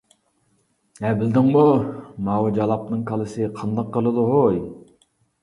ھە، بىلدىڭمۇ؟ ماۋۇ جالاپنىڭ كالىسى قانداق قىلىدۇ ھوي.